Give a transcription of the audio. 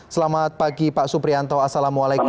selamat pagi pak suprianto assalamualaikum